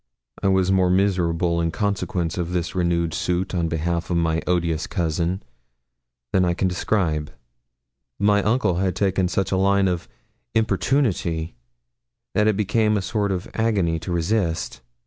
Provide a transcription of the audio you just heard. I was more miserable in consequence of this renewed suit on behalf of my odious cousin than I can describe. My uncle had taken such a line of importunity that it became a sort of agony to resist.